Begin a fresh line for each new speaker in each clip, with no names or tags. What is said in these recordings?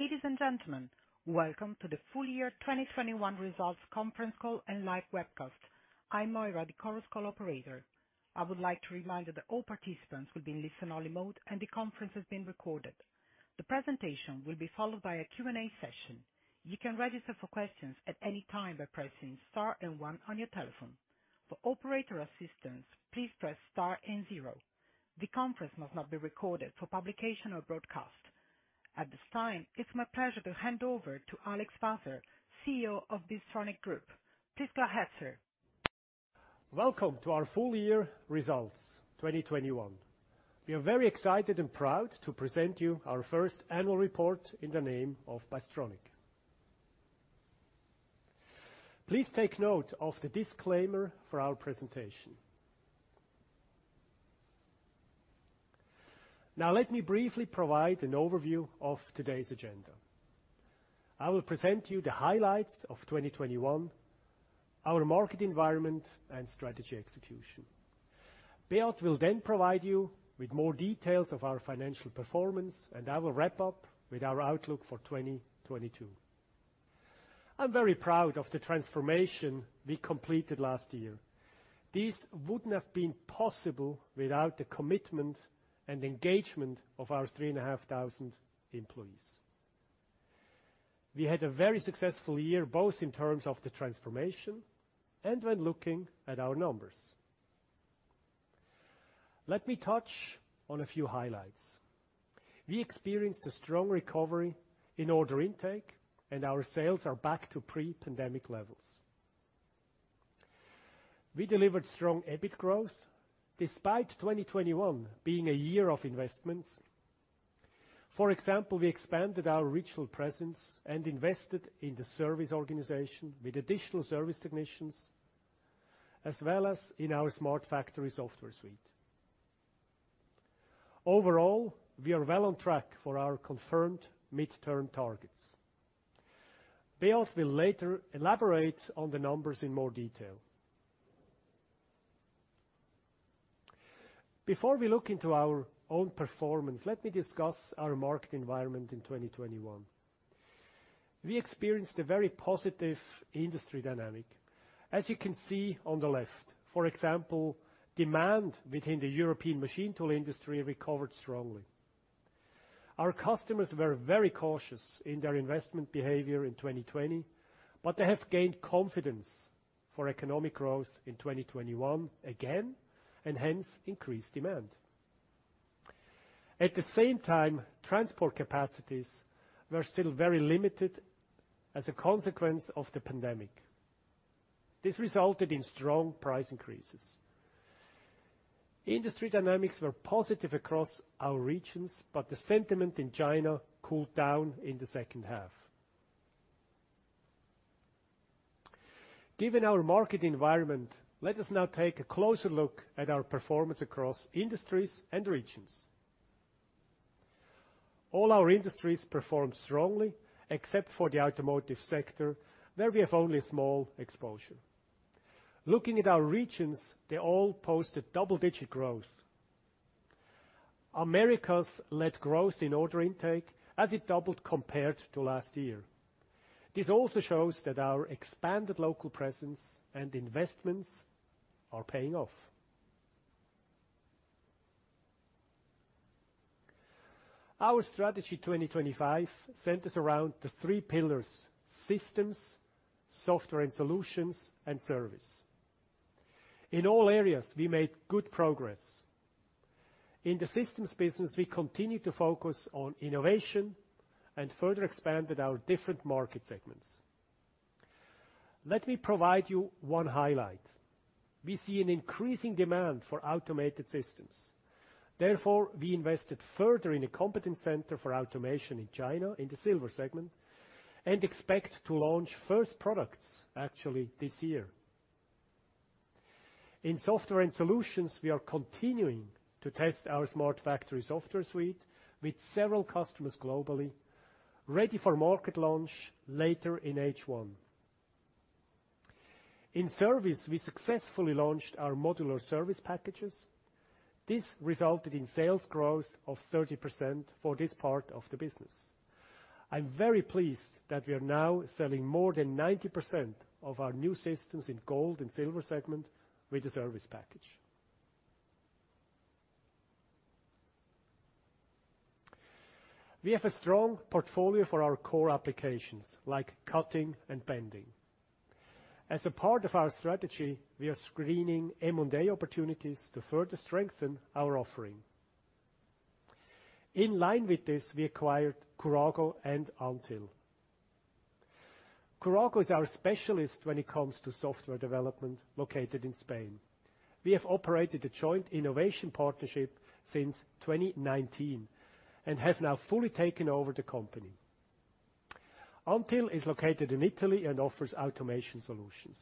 Ladies and gentlemen, welcome to the full-year 2021 results conference call and live webcast. I'm Moira, the Chorus Call operator. I would like to remind you that all participants will be in listen-only mode and the conference is being recorded. The presentation will be followed by a Q&A session. You can register for questions at any time by pressing star and one on your telephone. For operator assistance, please press star and zero. The conference must not be recorded for publication or broadcast. At this time, it's my pleasure to hand over to Alex Waser, CEO of Bystronic Group. Please go ahead, sir.
Welcome to our full-year results 2021. We are very excited and proud to present you our first annual report in the name of Bystronic. Please take note of the disclaimer for our presentation. Now let me briefly provide an overview of today's agenda. I will present you the highlights of 2021, our market environment and strategy execution. Beat will then provide you with more details of our financial performance, and I will wrap up with our outlook for 2022. I'm very proud of the transformation we completed last year. This wouldn't have been possible without the commitment and engagement of our 3,500 employees. We had a very successful year, both in terms of the transformation and when looking at our numbers. Let me touch on a few highlights. We experienced a strong recovery in order intake, and our sales are back to pre-pandemic levels. We delivered strong EBIT growth despite 2021 being a year of investments. For example, we expanded our regional presence and invested in the service organization with additional service technicians, as well as in our Smart Factory software suite. Overall, we are well on track for our confirmed midterm targets. Beat will later elaborate on the numbers in more detail. Before we look into our own performance, let me discuss our market environment in 2021. We experienced a very positive industry dynamic, as you can see on the left. For example, demand within the European machine tool industry recovered strongly. Our customers were very cautious in their investment behavior in 2020, but they have gained confidence for economic growth in 2021 again and hence increased demand. At the same time, transport capacities were still very limited as a consequence of the pandemic. This resulted in strong price increases. Industry dynamics were positive across our regions, but the sentiment in China cooled down in the second half. Given our market environment, let us now take a closer look at our performance across industries and regions. All our industries performed strongly except for the automotive sector, where we have only a small exposure. Looking at our regions, they all posted double-digit growth. Americas led growth in order intake as it doubled compared to last year. This also shows that our expanded local presence and investments are paying off. Our Strategy 2025 centers around the three pillars: systems, software and solutions, and service. In all areas, we made good progress. In the systems business, we continued to focus on innovation and further expanded our different market segments. Let me provide you one highlight. We see an increasing demand for automated systems. Therefore, we invested further in a competence center for automation in China in the silver segment and expect to launch first products actually this year. In software and solutions, we are continuing to test our Smart Factory software suite with several customers globally, ready for market launch later in H1. In service, we successfully launched our modular service packages. This resulted in sales growth of 30% for this part of the business. I'm very pleased that we are now selling more than 90% of our new systems in gold and silver segment with the service package. We have a strong portfolio for our core applications, like cutting and bending. As a part of our strategy, we are screening M&A opportunities to further strengthen our offering. In line with this, we acquired Kurago and Antil. Kurago is our specialist when it comes to software development located in Spain. We have operated a joint innovation partnership since 2019 and have now fully taken over the company. Antil is located in Italy and offers automation solutions.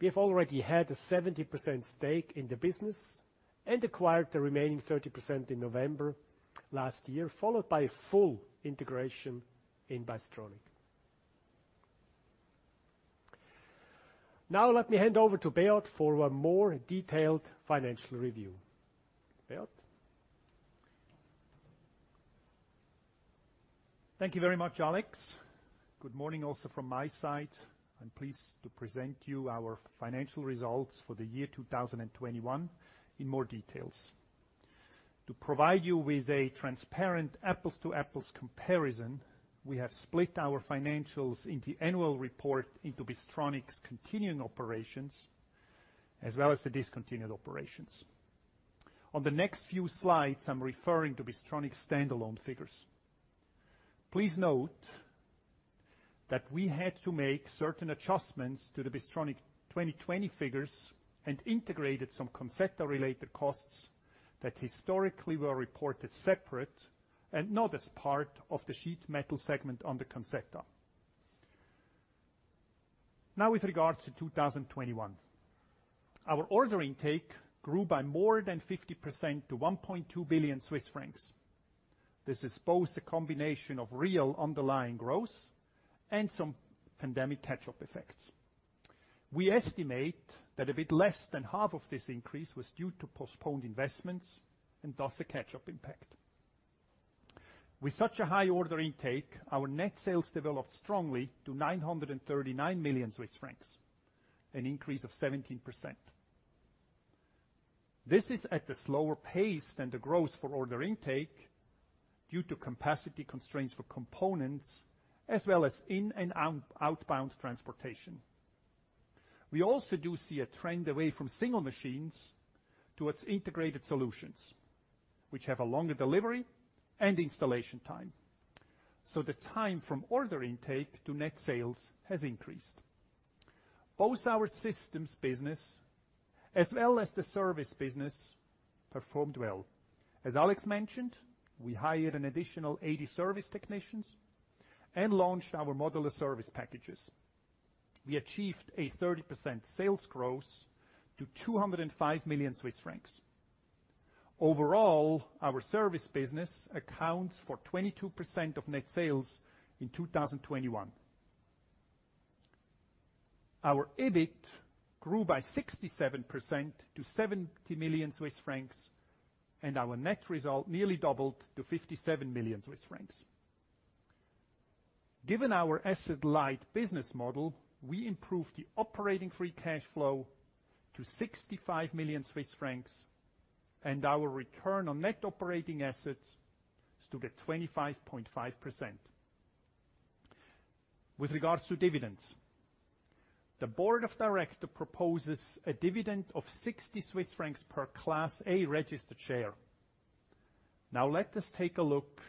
We have already had a 70% stake in the business and acquired the remaining 30% in November last year, followed by full integration in Bystronic. Now let me hand over to Beat for a more detailed financial review. Beat?
Thank you very much, Alex. Good morning also from my side. I'm pleased to present to you our financial results for the year 2021 in more detail. To provide you with a transparent apples-to-apples comparison, we have split our financials in the annual report into Bystronic's continuing operations, as well as the discontinued operations. On the next few slides, I'm referring to Bystronic standalone figures. Please note that we had to make certain adjustments to the Bystronic 2020 figures and integrated some Conzzeta-related costs that historically were reported separately, and not as part of the sheet metal segment on the Conzzeta. Now with regards to 2021. Our order intake grew by more than 50% to 1.2 billion Swiss francs. This is both a combination of real underlying growth and some pandemic catch-up effects. We estimate that a bit less than half of this increase was due to postponed investments and thus a catch-up impact. With such a high order intake, our net sales developed strongly to 939 million Swiss francs, an increase of 17%. This is at a slower pace than the growth for order intake due to capacity constraints for components, as well as inbound and outbound transportation. We also do see a trend away from single machines towards integrated solutions, which have a longer delivery and installation time. The time from order intake to net sales has increased. Both our systems business as well as the service business performed well. As Alex mentioned, we hired an additional 80 service technicians and launched our modular service packages. We achieved a 30% sales growth to 205 million Swiss francs. Overall, our service business accounts for 22% of net sales in 2021. Our EBIT grew by 67% to 70 million Swiss francs, and our net result nearly doubled to 57 million Swiss francs. Given our asset light business model, we improved the operating free cash flow to 65 million Swiss francs, and our return on net operating assets stood at 25.5%. With regards to dividends, the board of director proposes a dividend of 60 Swiss francs per Class A registered share. Now let us take a look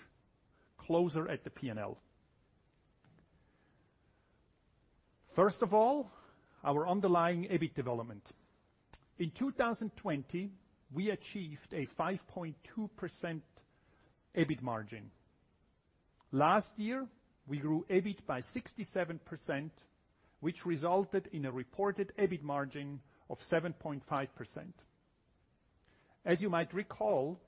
closer at the P&L. First of all, our underlying EBIT development. In 2020, we achieved a 5.2% EBIT margin. Last year, we grew EBIT by 67%, which resulted in a reported EBIT margin of 7.5%. As you might recall,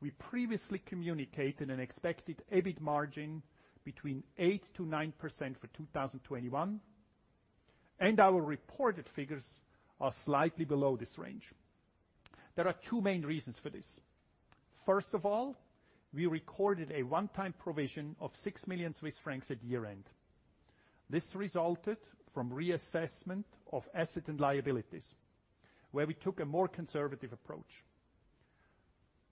we previously communicated an expected EBIT margin between 8%-9% for 2021, and our reported figures are slightly below this range. There are two main reasons for this. First of all, we recorded a one-time provision of 6 million Swiss francs at year-end. This resulted from reassessment of assets and liabilities, where we took a more conservative approach.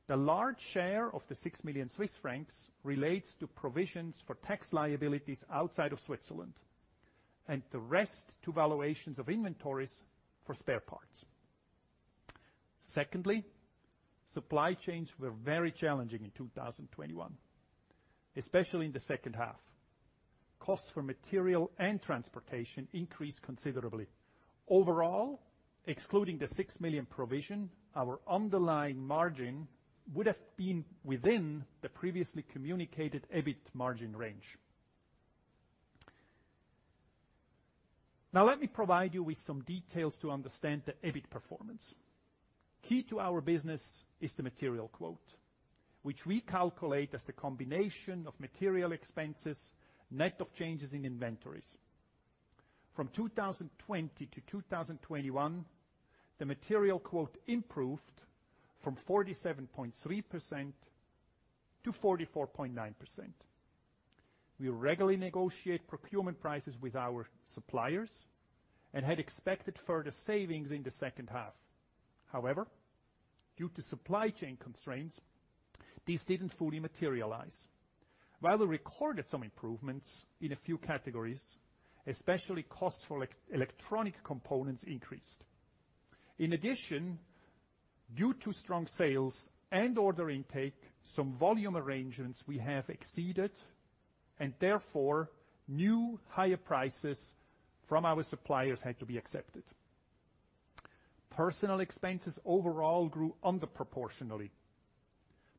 The large share of the 6 million Swiss francs relates to provisions for tax liabilities outside of Switzerland, and the rest to valuations of inventories for spare parts. Secondly, supply chains were very challenging in 2021, especially in the second half. Costs for material and transportation increased considerably. Overall, excluding the 6 million provision, our underlying margin would have been within the previously communicated EBIT margin range. Now let me provide you with some details to understand the EBIT performance. Key to our business is the material quota, which we calculate as the combination of material expenses, net of changes in inventories. From 2020 to 2021, the material quota improved from 47.3% to 44.9%. We regularly negotiate procurement prices with our suppliers and had expected further savings in the second half. However, due to supply chain constraints, these didn't fully materialize. While we recorded some improvements in a few categories, especially, costs for electronic components increased. In addition, due to strong sales and order intake, some volume arrangements we have exceeded, and therefore, new higher prices from our suppliers had to be accepted. Personnel expenses overall grew less than proportionally.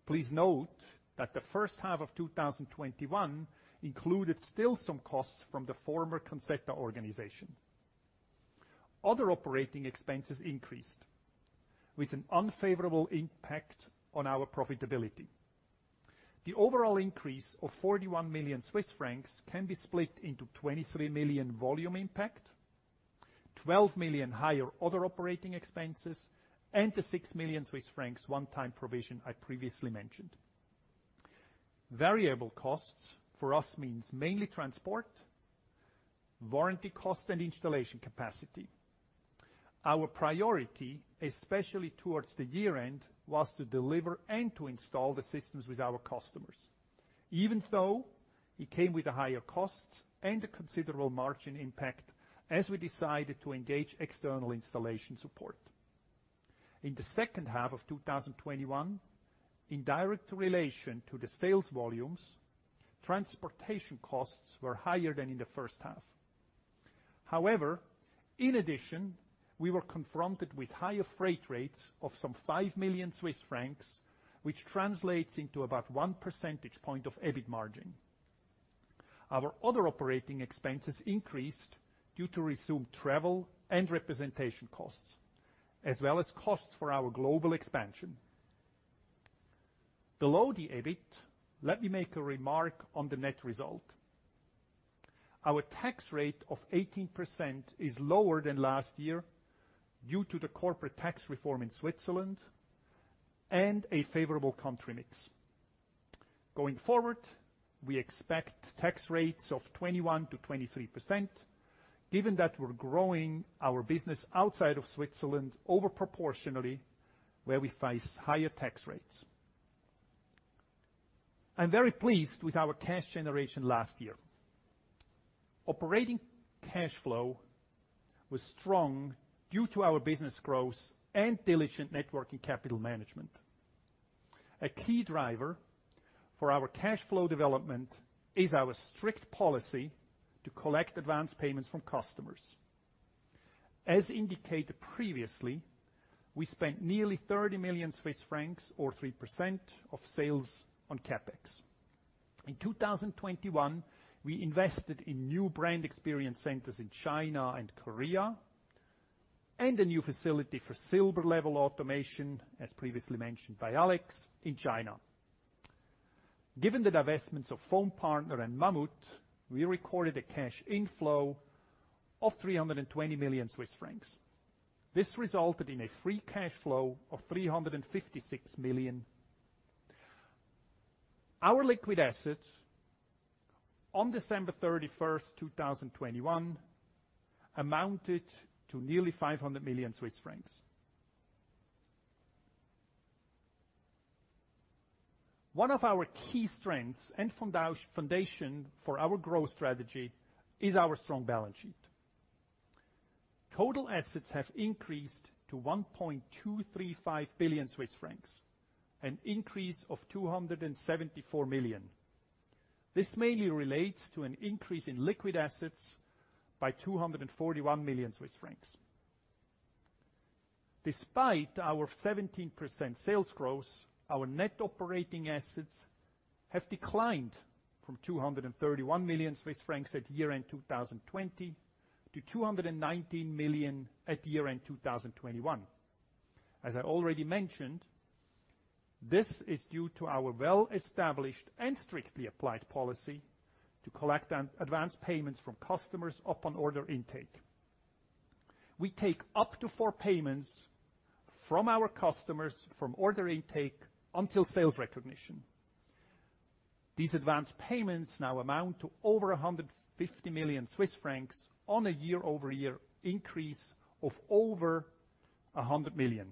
Please note that the first half of 2021 included still some costs from the former Conzzeta organization. Other operating expenses increased, with an unfavorable impact on our profitability. The overall increase of 41 million Swiss francs can be split into 23 million volume impact, 12 million higher other operating expenses, and the 6 million Swiss francs one-time provision I previously mentioned. Variable costs for us means mainly transport, warranty costs and installation capacity. Our priority, especially towards the year-end, was to deliver and to install the systems with our customers. Even though it came with a higher cost and a considerable margin impact as we decided to engage external installation support. In the second half of 2021, in direct relation to the sales volumes, transportation costs were higher than in the first half. However, in addition, we were confronted with higher freight rates of some 5 million Swiss francs, which translates into about 1 percentage point of EBIT margin. Our other operating expenses increased due to resumed travel and representation costs, as well as costs for our global expansion. Below the EBIT, let me make a remark on the net result. Our tax rate of 18% is lower than last year due to the corporate tax reform in Switzerland and a favorable country mix. Going forward, we expect tax rates of 21%-23%, given that we're growing our business outside of Switzerland over proportionally where we face higher tax rates. I'm very pleased with our cash generation last year. Operating cash flow was strong due to our business growth and diligent net working capital management. A key driver for our cash flow development is our strict policy to collect advance payments from customers. As indicated previously, we spent nearly 30 million Swiss francs or 3% of sales on CapEx. In 2021, we invested in new brand experience centers in China and Korea and a new facility for silver level automation, as previously mentioned by Alex, in China. Given the divestments of FoamPartner and Mammut, we recorded a cash inflow of 320 million Swiss francs. This resulted in a free cash flow of 356 million. Our liquid assets on December 31, 2021, amounted to nearly CHF 500 million. One of our key strengths and foundation for our growth strategy is our strong balance sheet. Total assets have increased to 1.235 billion Swiss francs, an increase of 274 million. This mainly relates to an increase in liquid assets by 241 million Swiss francs. Despite our 17% sales growth, our net operating assets have declined from 231 million Swiss francs at year-end 2020 to 219 million at year-end 2021. As I already mentioned, this is due to our well-established and strictly applied policy to collect advance payments from customers upon order intake. We take up to 4 payments from our customers from order intake until sales recognition. These advanced payments now amount to over 150 million Swiss francs on a year-over-year increase of over 100 million,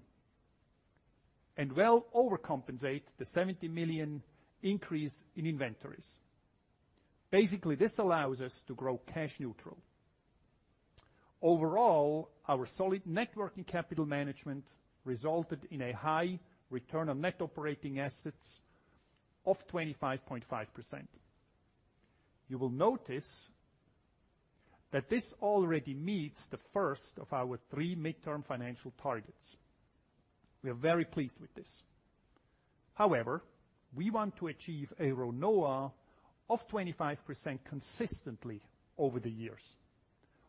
and well overcompensate the 70 million increase in inventories. Basically, this allows us to grow cash neutral. Overall, our solid net working capital management resulted in a high return on net operating assets of 25.5%. You will notice that this already meets the first of our three midterm financial targets. We are very pleased with this. However, we want to achieve a RONOA of 25% consistently over the years.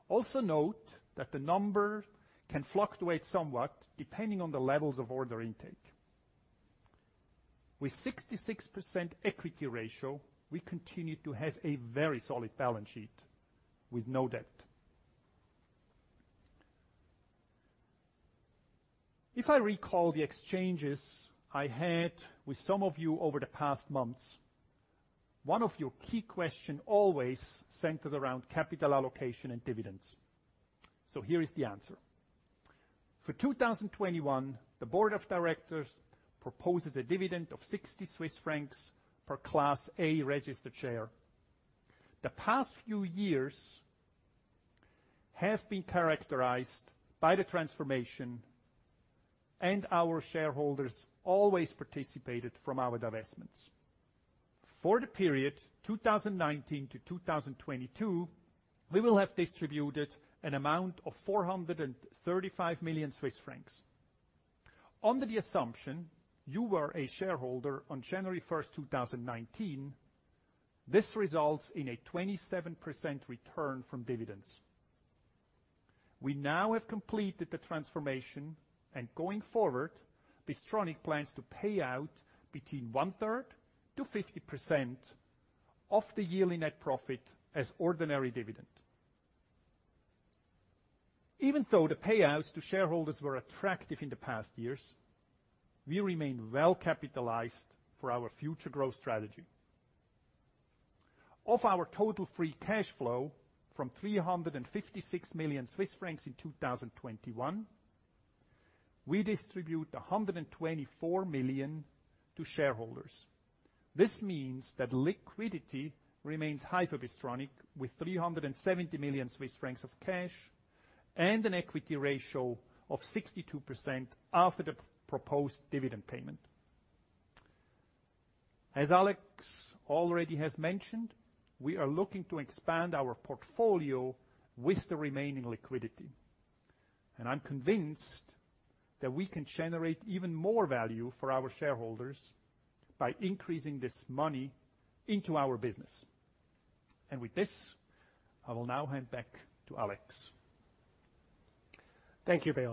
Also note that the number can fluctuate somewhat depending on the levels of order intake. With 66% equity ratio, we continue to have a very solid balance sheet with no debt. If I recall the exchanges I had with some of you over the past months, one of your key question always centered around capital allocation and dividends. Here is the answer. For 2021, the board of directors proposes a dividend of 60 Swiss francs per Class A registered share. The past few years have been characterized by the transformation, and our shareholders always participated from our divestments. For the period 2019 to 2022, we will have distributed an amount of 435 million Swiss francs. Under the assumption you were a shareholder on January 1, 2019, this results in a 27% return from dividends. We now have completed the transformation, and going forward, Bystronic plans to pay out between one third to 50% of the yearly net profit as ordinary dividend. Even though the payouts to shareholders were attractive in the past years, we remain well capitalized for our future growth strategy. Of our total free cash flow from 356 million Swiss francs in 2021, we distribute 124 million to shareholders. This means that liquidity remains high for Bystronic, with 370 million Swiss francs of cash and an equity ratio of 62% after the proposed dividend payment. As Alex already has mentioned, we are looking to expand our portfolio with the remaining liquidity, and I'm convinced that we can generate even more value for our shareholders by increasing this money into our business. With this, I will now hand back to Alex.
Thank you, Beat.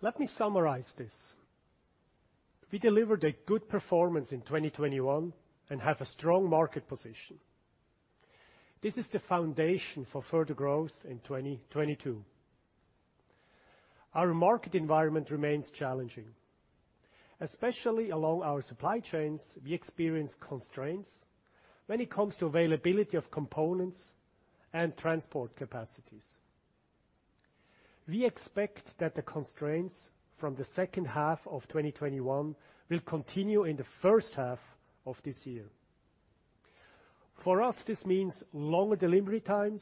Let me summarize this. We delivered a good performance in 2021 and have a strong market position. This is the foundation for further growth in 2022. Our market environment remains challenging. Especially along our supply chains, we experience constraints when it comes to availability of components and transport capacities. We expect that the constraints from the second half of 2021 will continue in the first half of this year. For us, this means longer delivery times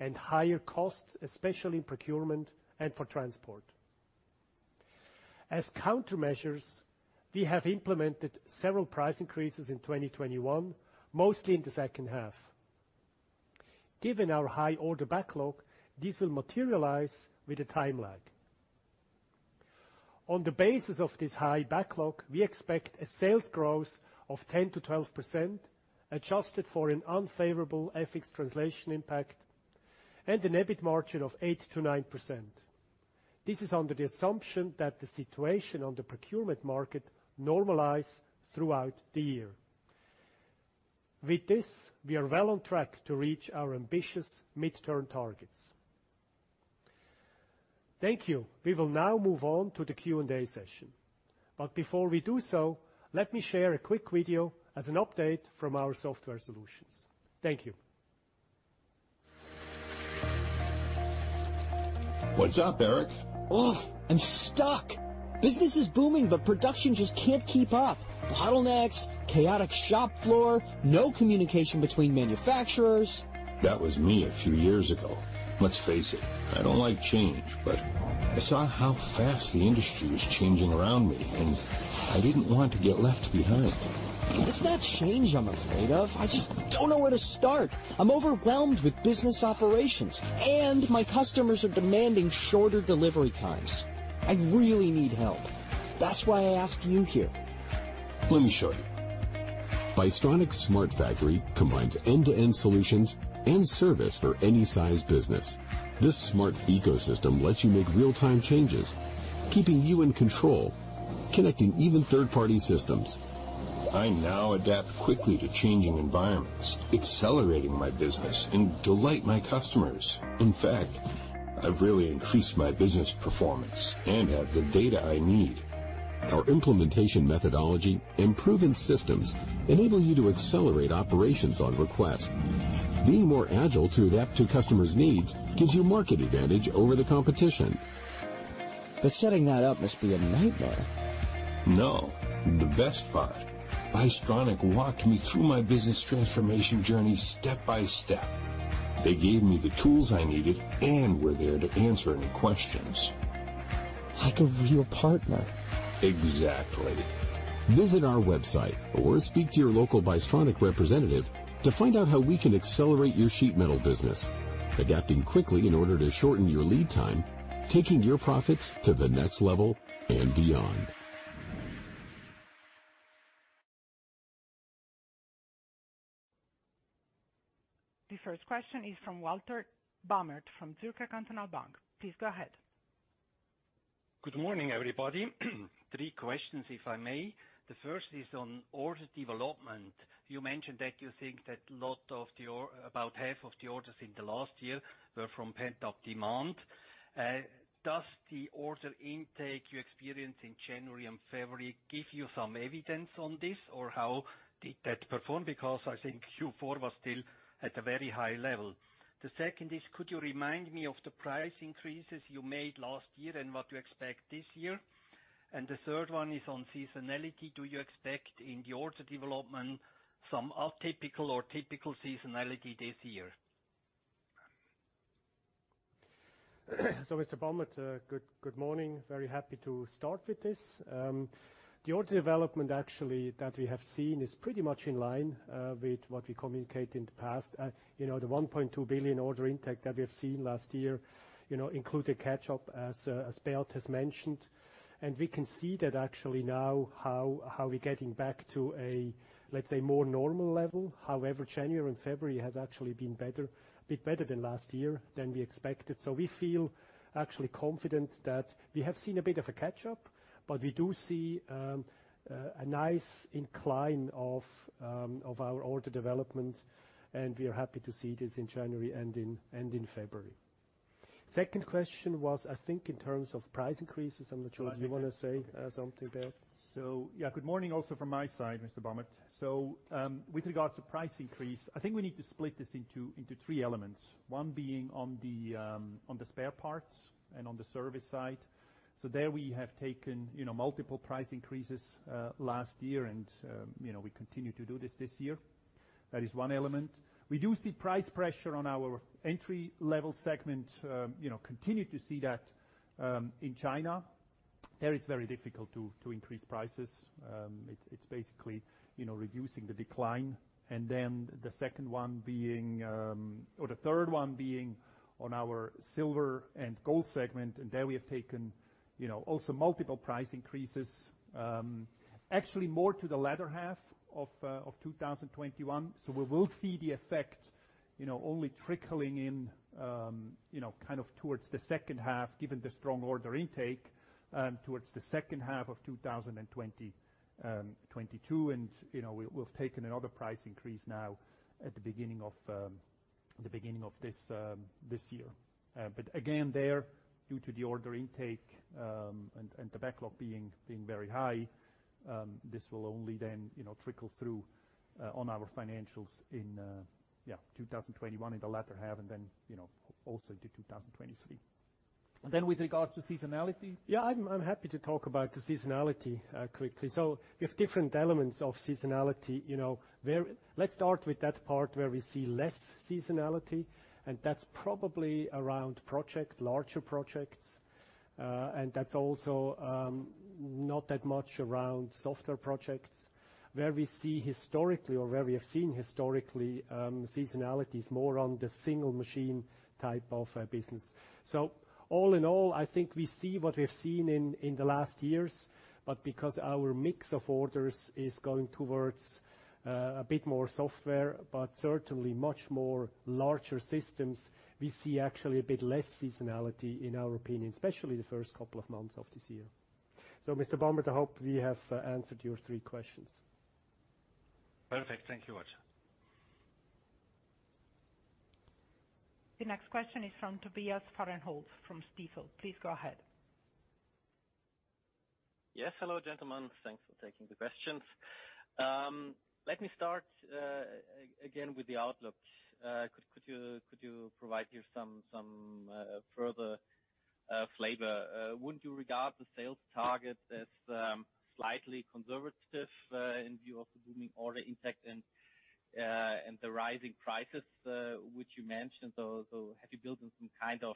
and higher costs, especially in procurement and for transport. As countermeasures, we have implemented several price increases in 2021, mostly in the second half. Given our high order backlog, this will materialize with a time lag. On the basis of this high backlog, we expect a sales growth of 10%-12%, adjusted for an unfavorable FX translation impact and an EBIT margin of 8%-9%. This is under the assumption that the situation on the procurement market normalize throughout the year. With this, we are well on track to reach our ambitious mid-term targets. Thank you. We will now move on to the Q&A session. Before we do so, let me share a quick video as an update from our software solutions. Thank you.
What's up, Eric?
Ugh, I'm stuck. Business is booming, but production just can't keep up. Bottlenecks, chaotic shop floor, no communication between manufacturers.
That was me a few years ago. Let's face it, I don't like change, but I saw how fast the industry was changing around me, and I didn't want to get left behind.
It's not change I'm afraid of. I just don't know where to start. I'm overwhelmed with business operations, and my customers are demanding shorter delivery times. I really need help. That's why I asked you here. Let me show you. Bystronic's Smart Factory combines end-to-end solutions and service for any size business. This smart ecosystem lets you make real-time changes, keeping you in control, connecting even third-party systems. I now adapt quickly to changing environments, accelerating my business, and delight my customers. In fact, I've really increased my business performance and have the data I need. Our implementation methodology and proven systems enable you to accelerate operations on request. Being more agile to adapt to customers' needs gives you market advantage over the competition. Setting that up must be a nightmare.
No. The best part, Bystronic walked me through my business transformation journey step by step. They gave me the tools I needed and were there to answer any questions.
Like a real partner.
Exactly. Visit our website or speak to your local Bystronic representative to find out how we can accelerate your sheet metal business, adapting quickly in order to shorten your lead time, taking your profits to the next level and beyond.
The first question is from Walter Bamert from Zürcher Kantonalbank. Please go ahead.
Good morning, everybody. Three questions, if I may. The first is on order development. You mentioned that you think that about half of the orders in the last year were from pent-up demand. Does the order intake you experienced in January and February give you some evidence on this? Or how did that perform? Because I think Q4 was still at a very high level. The second is, could you remind me of the price increases you made last year and what you expect this year? The third one is on seasonality. Do you expect in the order development some atypical or typical seasonality this year?
Mr. Bamert, good morning. Very happy to start with this. The order development actually that we have seen is pretty much in line with what we communicate in the past. You know, the 1.2 billion order intake that we have seen last year, you know, included catch-up as Beat has mentioned. We can see that actually now how we're getting back to a, let's say, more normal level. However, January and February has actually been better, a bit better than last year than we expected. We feel actually confident that we have seen a bit of a catch-up, but we do see a nice incline of our order development, and we are happy to see this in January and in February. Second question was, I think, in terms of price increases. I'm not sure. Do you wanna say something, Beat?
Yeah, good morning also from my side, Mr. Bamert. With regards to price increase, I think we need to split this into three elements. One being on the spare parts and on the service side. There we have taken, you know, multiple price increases last year and, you know, we continue to do this this year. That is one element. We do see price pressure on our entry-level segment, you know, continue to see that in China. There it's very difficult to increase prices. It's basically, you know, reducing the decline. Then the second one being or the third one being on our silver and gold segment, and there we have taken, you know, also multiple price increases actually more to the latter half of 2021. We will see the effect, you know, only trickling in, you know, kind of towards the second half, given the strong order intake, towards the second half of 2022. We'll take another price increase now at the beginning of this year. But again, due to the order intake, and the backlog being very high, this will only then, you know, trickle through on our financials in yeah, 2021 in the latter half and then, you know, also to 2023. With regards to seasonality?
Yeah, I'm happy to talk about the seasonality quickly. We have different elements of seasonality, you know. Let's start with that part where we see less seasonality, and that's probably around project, larger projects. And that's also not that much around software projects. Where we see historically or where we have seen historically, seasonality is more on the single machine type of business. All in all, I think we see what we've seen in the last years. Because our mix of orders is going towards a bit more software, but certainly much more larger systems, we see actually a bit less seasonality in our opinion, especially the first couple of months of this year. Mr. Bamert, I hope we have answered your three questions.
Perfect. Thank you much.
The next question is from Tobias Fahrenholz from Stifel. Please go ahead.
Yes. Hello, gentlemen. Thanks for taking the questions. Let me start again with the outlook. Could you provide here some further flavor? Wouldn't you regard the sales target as slightly conservative in view of the booming order intake and the rising prices which you mentioned? Have you built in some kind of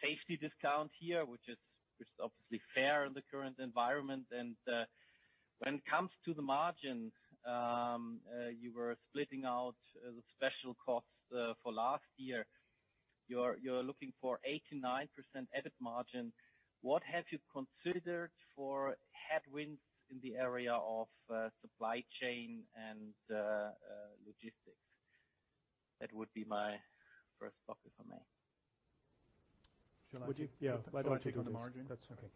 safety discount here, which is obviously fair in the current environment? When it comes to the margin, you were splitting out the special costs for last year. You're looking for 89% EBIT margin. What have you considered for headwinds in the area of supply chain and logistics? That would be my first bucket for me.
Shall I take-
Would you?
Yeah.
Why don't you take it?
Shall I take on the margin?
That's okay.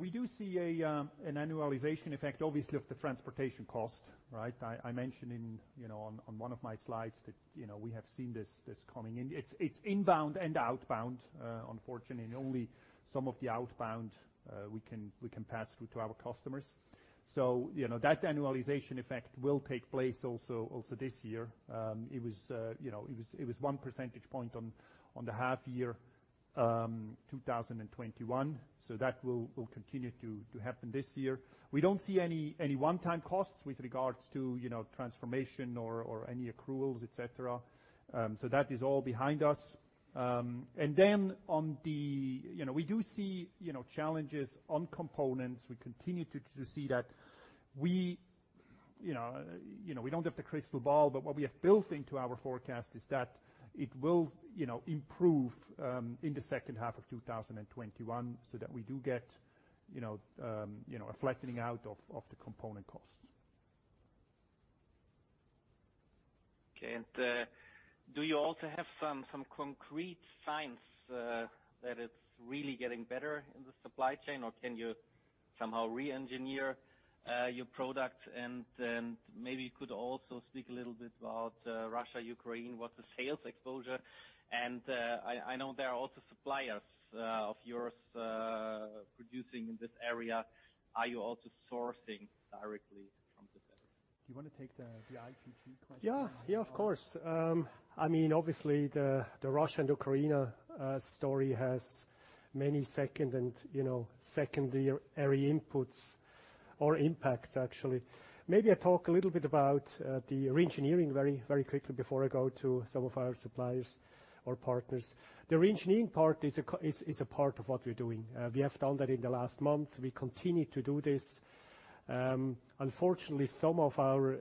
We do see an annualization effect obviously of the transportation cost, right? I mentioned in, you know, on one of my slides that, you know, we have seen this coming. It's inbound and outbound, unfortunately, and only some of the outbound, we can pass through to our customers. You know, that annualization effect will take place also this year. It was 1 percentage point on the half year, 2021, so that will continue to happen this year. We don't see any one-time costs with regards to, you know, transformation or any accruals, et cetera. That is all behind us. We do see challenges on components. We continue to see that. We, you know, we don't have the crystal ball, but what we have built into our forecast is that it will, you know, improve in the second half of 2021, so that we do get, you know, a flattening out of the component costs.
Okay. Do you also have some concrete signs that it's really getting better in the supply chain, or can you somehow re-engineer your product? Maybe you could also speak a little bit about Russia, Ukraine. What's the sales exposure? I know there are also suppliers of yours producing in this area. Are you also sourcing directly from this area?
Do you wanna take the ICT question?
Yeah. Yeah, of course. I mean, obviously, the Russia and Ukraine story has many secondary impacts, actually. Maybe I talk a little bit about the re-engineering very quickly before I go to some of our suppliers or partners. The re-engineering part is a part of what we're doing. We have done that in the last month. We continue to do this. Unfortunately, some of our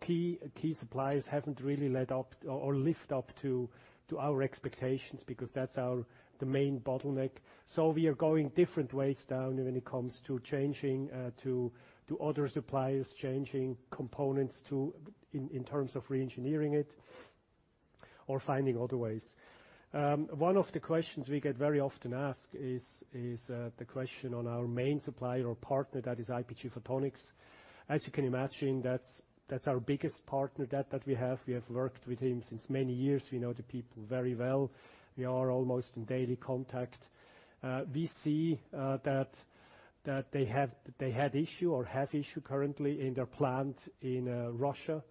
key suppliers haven't really lived up to our expectations because that's the main bottleneck. We are going different ways now when it comes to changing to other suppliers, changing components in terms of re-engineering it or finding other ways. One of the questions we get very often asked is the question on our main supplier or partner, that is IPG Photonics. As you can imagine, that's our biggest partner that we have. We have worked with him since many years. We know the people very well. We are almost in daily contact. We see that they have, they had issue or have issue currently in their plant in Russia.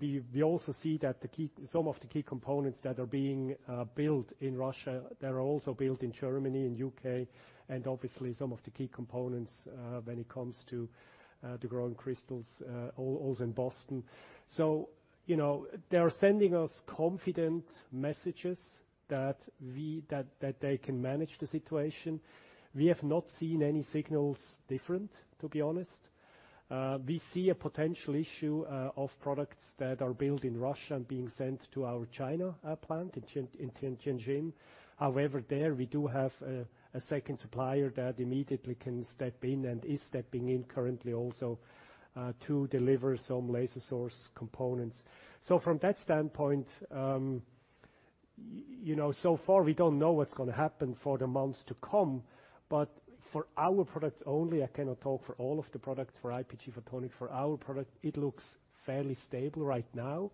We also see that the key, some of the key components that are being built in Russia, they're also built in Germany and U.K., and obviously some of the key components, when it comes to the grown crystals, all also in Boston. You know, they are sending us confident messages that they can manage the situation. We have not seen any signals different, to be honest. We see a potential issue of products that are built in Russia being sent to our China plant in Shenzhen. However, there we do have a second supplier that immediately can step in and is stepping in currently also to deliver some laser source components. So from that standpoint, you know, so far we don't know what's gonna happen for the months to come, but for our products only, I cannot talk for all of the products, for IPG Photonics. For our product, it looks fairly stable right now.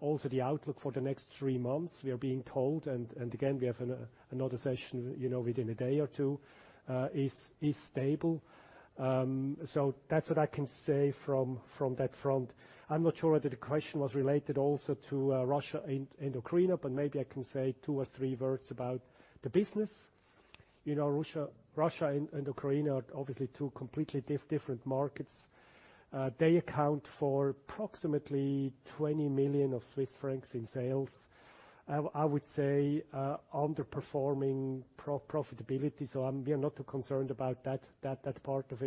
Also the outlook for the next three months, we are being told, and again, we have another session, you know, within a day or two, is stable. So that's what I can say from that front. I'm not sure whether the question was related also to Russia and Ukraine, but maybe I can say two or three words about the business. You know, Russia and Ukraine are obviously two completely different markets. They account for approximately 20 million in sales. I would say underperforming profitability, so we are not too concerned about that part of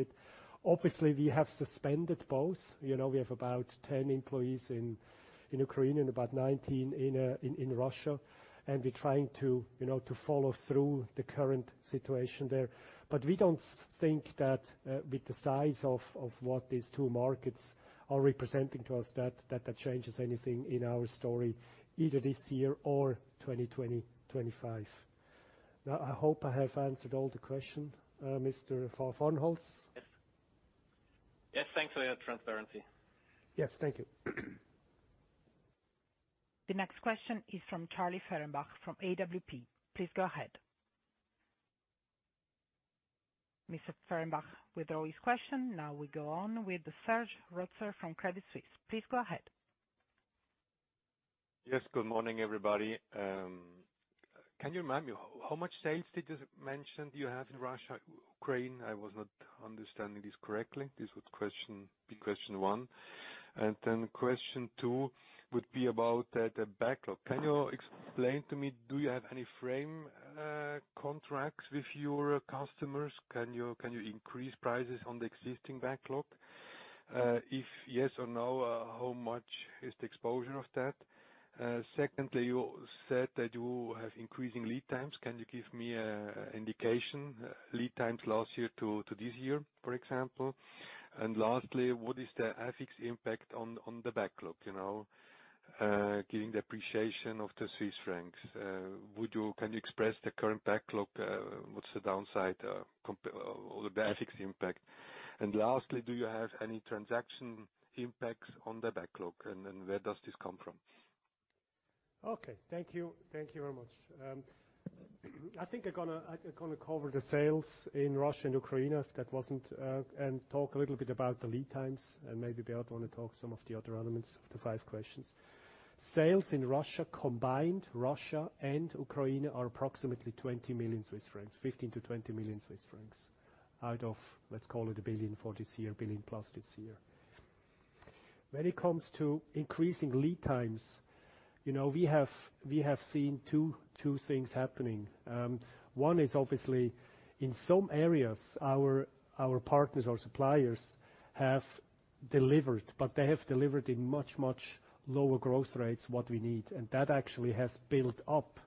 it. Obviously, we have suspended both. You know, we have about 10 employees in Ukraine and about 19 in Russia. We're trying to follow through the current situation there. We don't think that with the size of what these two markets are representing to us that changes anything in our story, either this year or 2025. Now, I hope I have answered all the question, Mr. Fahrenholz.
Yes. Yes. Thanks for your transparency.
Yes. Thank you.
The next question is from Charlie Fehrenbach from AWP. Please go ahead. Mr. Fehrenbach withdraws his question. Now we go on with Serge Rotzer from Credit Suisse. Please go ahead.
Yes. Good morning, everybody. Can you remind me how much sales did you mention you have in Russia, Ukraine? I was not understanding this correctly. This would be question one. Question two would be about the backlog. Can you explain to me, do you have any frame contracts with your customers? Can you increase prices on the existing backlog? If yes or no, how much is the exposure of that? Secondly, you said that you have increasing lead times. Can you give me a indication, lead times last year to this year, for example? Lastly, what is the FX impact on the backlog, you know? Given the appreciation of the Swiss francs, can you express the current backlog, what's the downside or the FX impact? Lastly, do you have any transaction impacts on the backlog, and then where does this come from?
Okay. Thank you. Thank you very much. I think I'm gonna cover the sales in Russia and Ukraine if that wasn't and talk a little bit about the lead times, and maybe Beat wanna talk some of the other elements, the five questions. Sales in Russia, combined Russia and Ukraine, are approximately 20 million Swiss francs, 15 million-20 million Swiss francs, out of, let's call it 1 billion for this year, 1 billion-plus this year. When it comes to increasing lead times, you know, we have seen two things happening. One is obviously in some areas, our partners or suppliers have delivered, but they have delivered in much lower growth rates what we need. That actually has built up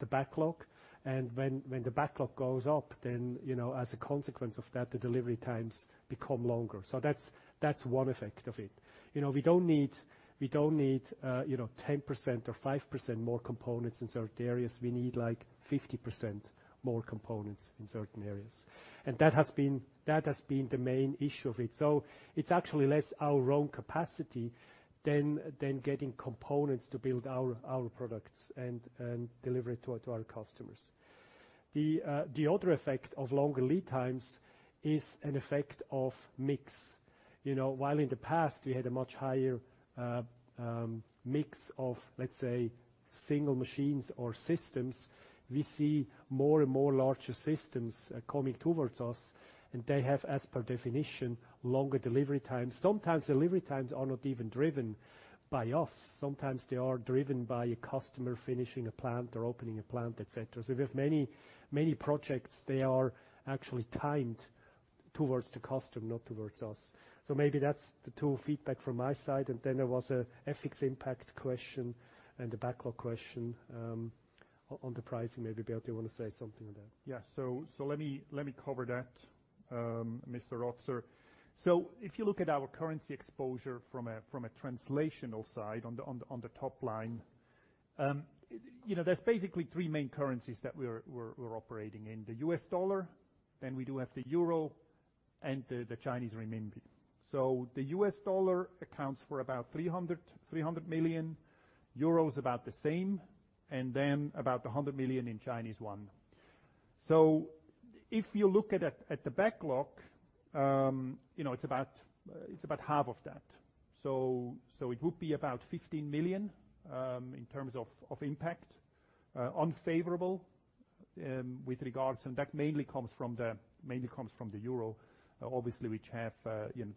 the backlog. When the backlog goes up, you know, as a consequence of that, the delivery times become longer. That's one effect of it. You know, we don't need, you know, 10% or 5% more components in certain areas. We need, like, 50% more components in certain areas. That has been the main issue of it. It's actually less our own capacity than getting components to build our products and deliver it to our customers. The other effect of longer lead times is an effect of mix. You know, while in the past we had a much higher mix of, let's say, single machines or systems, we see more and more larger systems coming towards us, and they have, as per definition, longer delivery times. Sometimes delivery times are not even driven by us. Sometimes they are driven by a customer finishing a plant or opening a plant, et cetera. We have many projects, they are actually timed towards the customer, not towards us. Maybe that's the two feedback from my side. Then there was a FX impact question and a backlog question, on the pricing. Maybe, Beat, you want to say something on that?
Let me cover that, Mr. Rotzer. If you look at our currency exposure from a translational side on the top line, there's basically 3 main currencies that we're operating in. The U.S. dollar, then we do have the euro, and the Chinese renminbi. The U.S. dollar accounts for about $300 million, EUR about the same, and then about 100 million in Chinese yuan. If you look at it, at the backlog, it's about half of that. It would be about 15 million in terms of impact, unfavorable, with regards, and that mainly comes from the euro, obviously, which have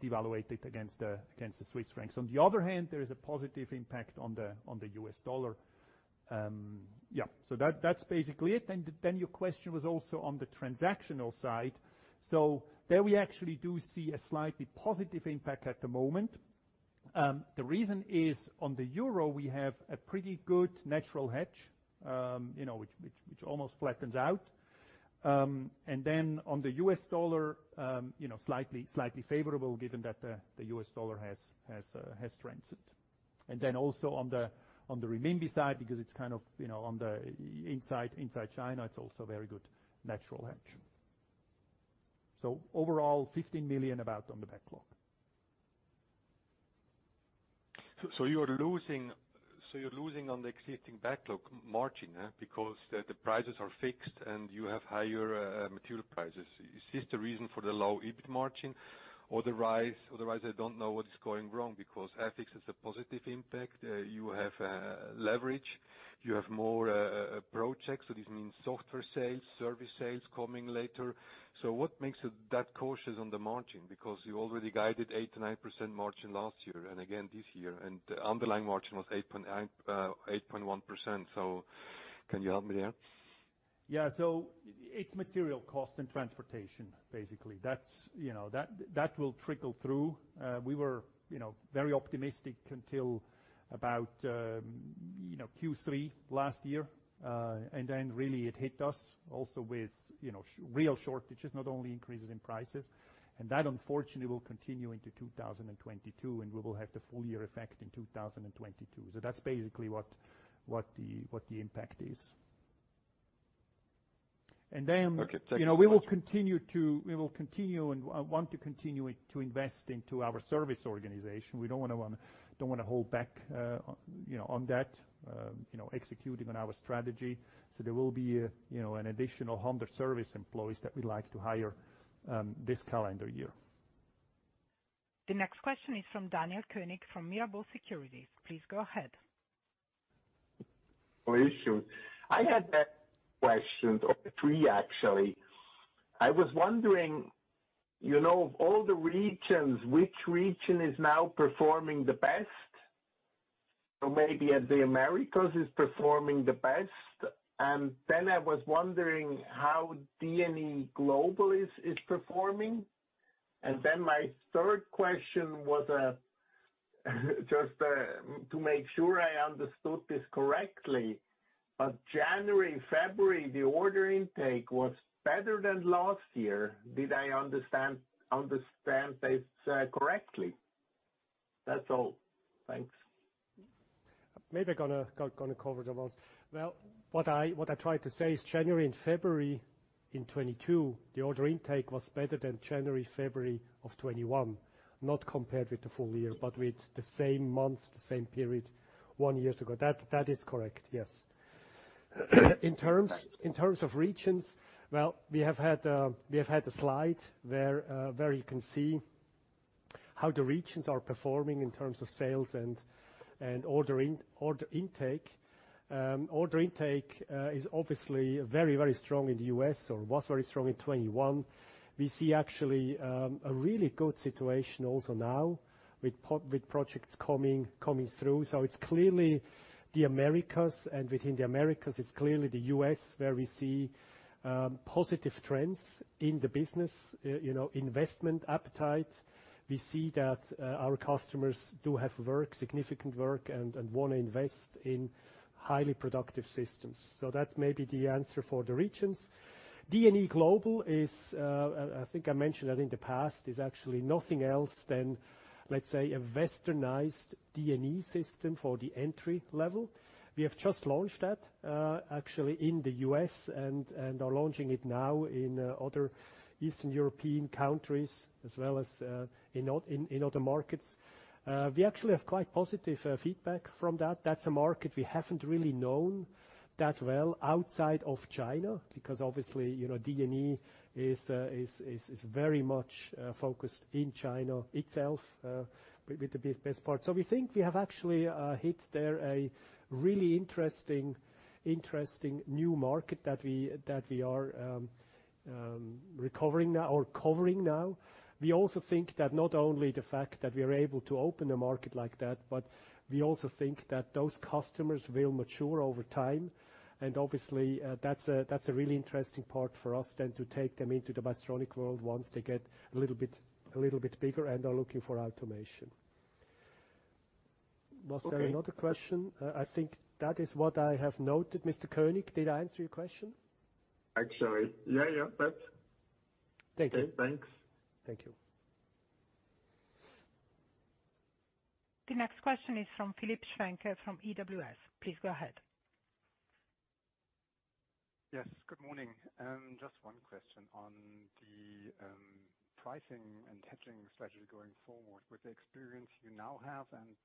devalued against the Swiss francs. On the other hand, there is a positive impact on the U.S. dollar. That, that's basically it. Your question was also on the transactional side. There we actually do see a slightly positive impact at the moment. The reason is on the euro, we have a pretty good natural hedge, you know, which almost flattens out. On the U.S. dollar, you know, slightly favorable given that the U.S. dollar has strengthened. On the renminbi side, because it's kind of, you know, on the inside China, it's also very good natural hedge. Overall, about 15 million on the backlog.
You're losing on the existing backlog margin, huh? Because the prices are fixed and you have higher material prices. Is this the reason for the low EBIT margin? Otherwise, I don't know what is going wrong because FX has a positive impact, you have leverage, you have more projects, so this means software sales, service sales coming later. What makes it that cautious on the margin? Because you already guided 8%-9% margin last year and again this year, and the underlying margin was 8.9%, 8.1%. Can you help me there?
Yeah. It's material cost and transportation, basically. That's that will trickle through. We were very optimistic until about Q3 last year. Then really it hit us also with real shortages, not only increases in prices. That unfortunately will continue into 2022, and we will have the full-year effect in 2022. That's basically what the impact is.
Okay. Thank you.
You know, we will continue and want to continue to invest into our service organization. We don't wanna hold back, you know, on executing our strategy. There will be, you know, an additional 100 service employees that we'd like to hire this calendar year.
The next question is from Daniel Koenig, from Mirabaud Securities. Please go ahead.
Oh, sure. I had three questions actually. I was wondering, you know, of all the regions, which region is now performing the best? Or maybe if the Americas is performing the best. And then I was wondering how DNE Laser is performing. And then my third question was just to make sure I understood this correctly. January and February, the order intake was better than last year. Did I understand this correctly? That's all. Thanks.
Maybe I gonna cover them all. Well, what I tried to say is January and February in 2022, the order intake was better than January, February of 2021. Not compared with the full-year, but with the same months, the same period one year ago. That is correct, yes.
Thank you.
In terms of regions, we have had a slide where you can see how the regions are performing in terms of sales and order intake. Order intake is obviously very strong in the U.S. or was very strong in 2021. We see actually a really good situation also now with projects coming through. It's clearly the Americas, and within the Americas, it's clearly the U.S. where we see positive trends in the business, you know, investment appetite. We see that our customers do have work, significant work and wanna invest in highly productive systems. That may be the answer for the regions. DNE Laser is, I think I mentioned that in the past, is actually nothing else than, let's say, a Westernized DNE system for the entry level. We have just launched that, actually in the U.S. and are launching it now in other Eastern European countries as well as in other markets. We actually have quite positive feedback from that. That's a market we haven't really known that well outside of China, because obviously, you know, DNE is very much focused in China itself with the biggest part. We think we have actually hit there a really interesting new market that we are covering now. We also think that not only the fact that we are able to open a market like that, but we also think that those customers will mature over time. Obviously, that's a really interesting part for us then to take them into the Bystronic world once they get a little bit bigger and are looking for automation. Was there another question? I think that is what I have noted, Mr. Koenig. Did I answer your question?
Actually, yeah, thanks.
Thank you.
Okay, thanks.
Thank you.
The next question is from Philipp Schwenke from EWS. Please go ahead.
Yes, good morning. Just one question on the pricing and hedging strategy going forward. With the experience you now have and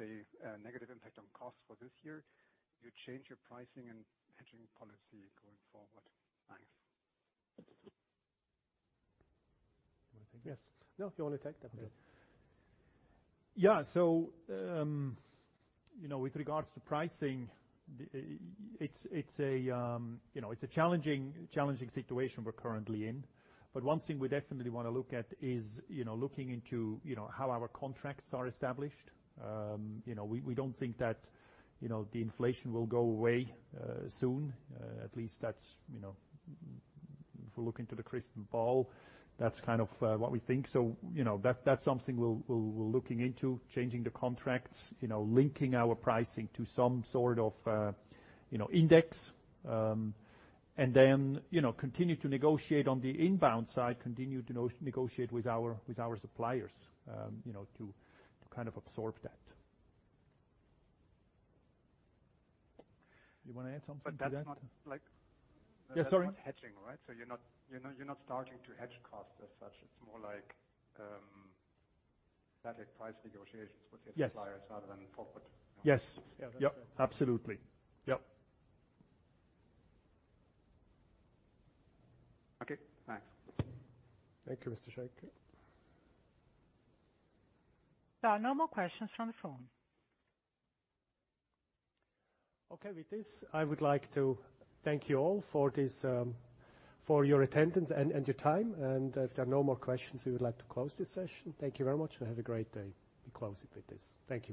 the negative impact on costs for this year, you change your pricing and hedging policy going forward. Thanks.
You wanna take this?
Yes. No, if you wanna take that.
Okay.
Yeah. You know, with regards to pricing, it's a challenging situation we're currently in, but one thing we definitely wanna look at is, you know, looking into how our contracts are established. You know, we don't think that, you know, the inflation will go away soon. At least that's, you know, if we look into the crystal ball, that's kind of what we think. You know, that's something we're looking into changing the contracts, you know, linking our pricing to some sort of index. You know, continue to negotiate on the inbound side, continue to negotiate with our suppliers, you know, to kind of absorb that. You wanna add something to that?
That's not like-
Yeah, sorry.
That's not hedging, right? You're not starting to hedge costs as such. It's more like static price negotiations with your suppliers.
Yes.
Rather than forward.
Yes.
Yeah, that's it.
Yep, absolutely. Yep.
Okay, thanks.
Thank you, Mr. Schwenke.
There are no more questions from the phone.
Okay, with this, I would like to thank you all for this, for your attendance and your time. If there are no more questions, we would like to close this session. Thank you very much, and have a great day. We close it with this. Thank you.